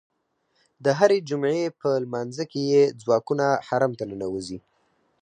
د هرې جمعې په لمانځه کې یې ځواکونه حرم ته ننوځي.